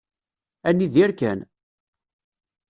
Ad nidir kan.